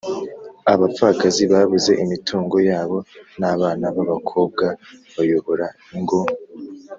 abapfakazi babuze imitungo yabo n'abana b'abakobwa bayobora ingo